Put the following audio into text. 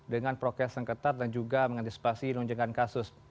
dengan prokes yang ketat dan juga mengantisipasi lonjakan kasus